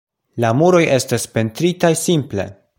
La muroj estas pentritaj simple.